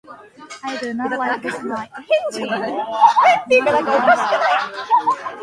"I do not like this wind," he grumbled.